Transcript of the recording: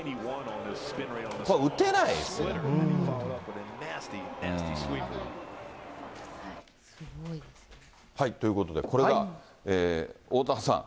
これ、打てないですよね。ということで、これがおおたわさん、